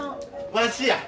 わしや。